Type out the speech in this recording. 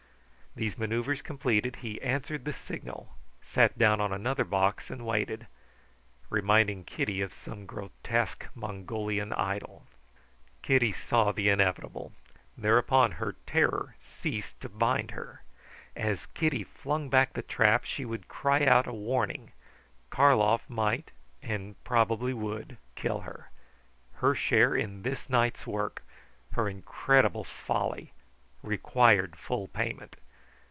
These manoeuvres completed, he answered the signal, sat down on another box and waited, reminding Kitty of some grotesque Mongolian idol. Kitty saw the inevitable. Thereupon her terror ceased to bind her. As Cutty flung back the trap she would cry out a warning. Karlov might and probably would kill her. Her share in this night's work her incredible folly required full payment.